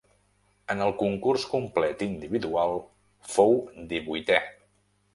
En el concurs complet individual fou divuitè.